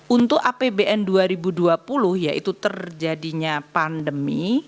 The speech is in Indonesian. untuk apbn dua ribu dua puluh yaitu terjadinya pandemi